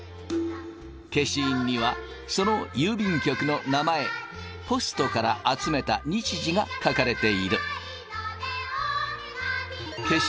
消印にはその郵便局の名前ポストから集めた日時が書かれている。